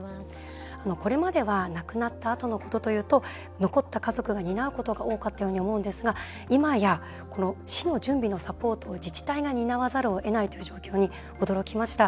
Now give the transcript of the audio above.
これまでは亡くなったあとのことというと残った家族が担うことが多かったように思うんですがいまや死の準備のサポートを自治体が担わざるをえないという状況に驚きました。